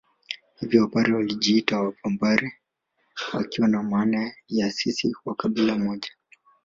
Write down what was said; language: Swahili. Hivyo Wapare walijiita Vambare wakiwa na maana ya sisi wa kabila moja